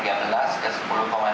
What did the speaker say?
ini adalah penurunan